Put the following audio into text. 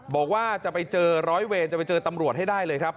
บอกว่าจะไปเจอร้อยเวรจะไปเจอตำรวจให้ได้เลยครับ